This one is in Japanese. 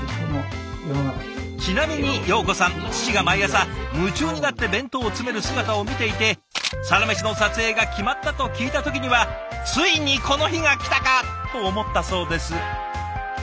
ちなみに葉子さん父が毎朝夢中になって弁当を詰める姿を見ていて「サラメシ」の撮影が決まったと聞いた時には「ついにこの日が来たか」と思ったそうです。